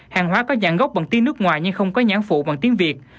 hàng hóa có dạng gốc bằng tiếng nước ngoài nhưng không có nhãn phụ bằng tiếng việt